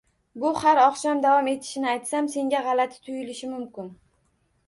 Bu har oqshom davom etishini aytsam senga g'alati tuyulishi mumkin